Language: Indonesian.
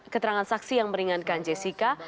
keterangan saksi yang meringankan jessica